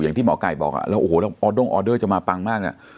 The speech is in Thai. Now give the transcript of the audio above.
อย่างที่หมอกายบอกอ่ะแล้วโอ้โหแล้วจะมาปังมากน่ะ